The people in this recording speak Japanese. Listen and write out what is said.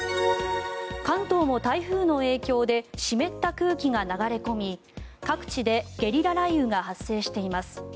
関東も台風の影響で湿った空気が流れ込み各地でゲリラ雷雨が発生しています。